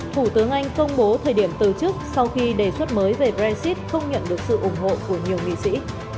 thủ tướng anh công bố thời điểm từ chức sau khi đề xuất mới về brexit không nhận được sự ủng hộ của nhiều nghị sĩ